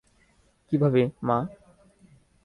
কীভাবে, মা?